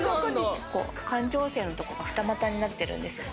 感情線が二股になってるんですよ